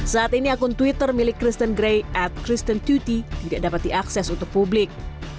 saat ini akun twitter milik kristen gray at kristen dua puluh tidak dapat diakses untuk publik